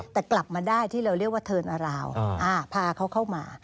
แต่กลับมาได้ที่เราเรียกว่าเทิร์นอาราวพาเขาเข้ามา